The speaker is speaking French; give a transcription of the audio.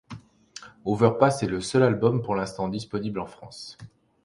Overpass est le seul album pour l'instant disponible en France.